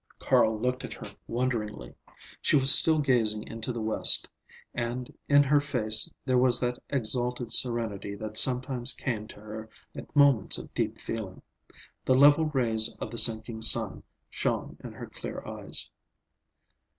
Carl looked at her wonderingly. She was still gazing into the west, and in her face there was that exalted serenity that sometimes came to her at moments of deep feeling. The level rays of the sinking sun shone in her clear eyes.